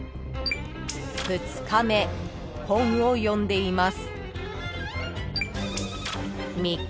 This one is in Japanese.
［２日目本を読んでいます］